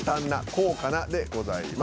「高価な」でございます。